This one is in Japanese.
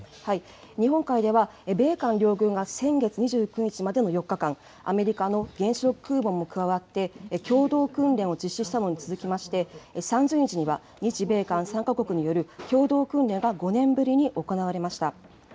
日本海では、米韓両軍が先月２９日までの４日間、アメリカの原子力空母も加わって共同訓練を実施したのに続きまして、３０日には日米韓３か国による共同訓練が５年ぶりに行われました。